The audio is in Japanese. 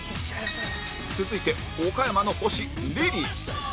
続いて岡山の星リリー